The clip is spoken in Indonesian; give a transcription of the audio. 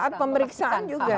saat pemeriksaan juga